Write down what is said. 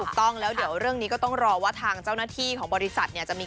ถูกต้องแล้วเดี๋ยวเรื่องนี้ก็ต้องรอว่าทางเจ้าหน้าที่ของบริษัทเนี่ยจะมี